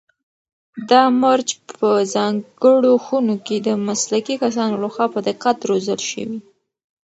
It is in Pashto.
دا مرچ په ځانګړو خونو کې د مسلکي کسانو لخوا په دقت روزل شوي.